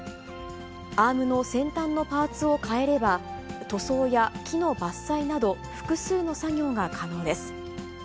アームの先端のパーツを変えれば、塗装や木の伐採など、複数の作業が可能です。